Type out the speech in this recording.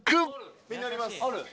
みんなあります。